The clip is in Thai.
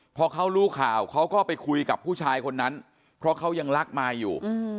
พอเขารู้ข่าวเขาก็ไปคุยกับผู้ชายคนนั้นเพราะเขายังรักมายอยู่